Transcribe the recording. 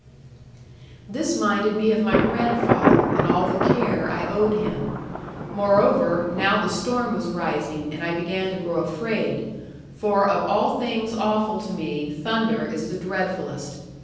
'This minded me of my grandfather, and all the care I owed him. Moreover, now the storm was rising and I began to grow afraid; for of all things awful to me thunder is the dreadfulest.